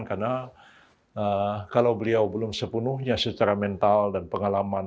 karena kalau beliau belum sepenuhnya secara mental dan pengalaman